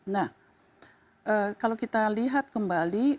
nah kalau kita lihat kembali